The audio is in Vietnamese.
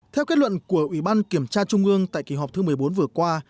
theo kết luận của ủy ban kiểm tra trung ương tại kỳ họp thứ một mươi bốn vừa qua